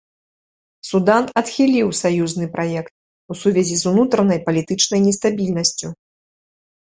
Судан адхіліў саюзны праект, у сувязі з унутранай палітычнай нестабільнасцю.